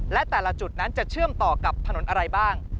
และแต่ละจุดนั้นจะเชื่อมต่อกับถนนอะไรบ้าง